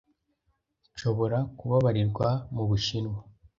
Nshobora kubabarirwa mubushinwa?